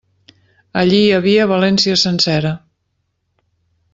Allí hi havia València sencera.